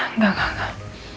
enggak enggak enggak